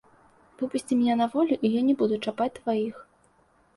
Выпусці мяне на волю, і я не буду чапаць тваіх.